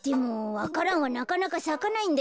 わか蘭はなかなかさかないんだよね